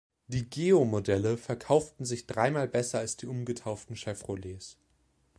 Die Geo-Modelle verkauften sich dreimal besser als die umgetauften Chevrolets.